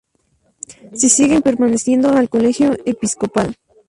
Sí siguen perteneciendo al Colegio Episcopal.